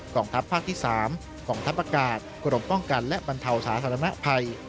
กร่องทัพภาคที่๓กร่องทัพอากาศกรรมป้องกันและบรรเทาสาธารณะไพร